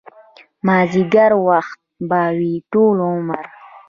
مازديګر وخت به وي ټول عمر